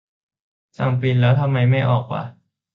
สั่งปริ้นท์แล้วทำไมไม่ออกวะ